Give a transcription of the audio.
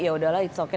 ya udahlah it's okay